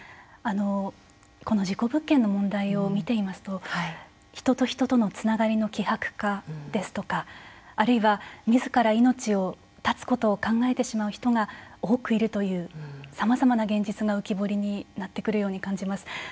この事故物件の問題を見ていますと人と人とのつながりの希薄化ですとかあるいはみずから命を絶つことを考えてしまう人が多くいるというさまざまな現実が浮き彫りになってくるように感じます。